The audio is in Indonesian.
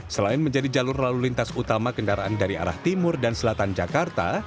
selain menjadi jalur lalu lintas utama kendaraan dari arah timur dan selatan jakarta